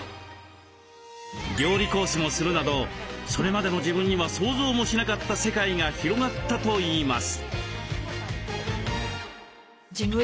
料理講師もするなどそれまでの自分には想像もしなかった世界が広がったといいます。